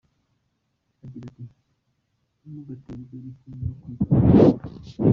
Agira ati “Ntimugaterwe ipfunwe no kwitwa Abanyarwanda.